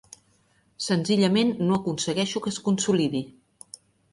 Senzillament no aconsegueixo que es consolidi!